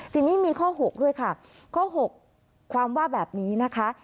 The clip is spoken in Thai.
ทีนี้มีข้อ๖ด้วยค่ะข้อ๖ความว่าแบบนี้นะคะ